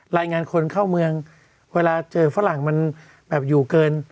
รายงานคนเข้าเมืองเวลาเจอฝรั่งมันแบบอยู่เกิน